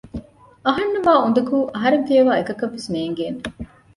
އަހަންނަށް ވާ އުނދަގޫ އަހަރެން ފިޔަވައި އެކަކަށްވެސް ނޭނގޭނެ